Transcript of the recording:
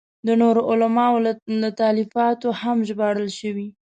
د نورو علماوو له تالیفاتو هم ژباړل شوي.